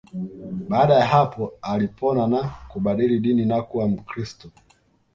Baada ya hapo alipona na kubadili dini na kuwa Mkristo